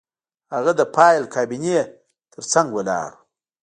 هغه د فایل کابینې ترڅنګ ولاړ و